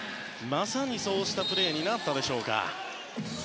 まさにそうしたプレーになったか。